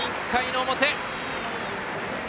１回の表。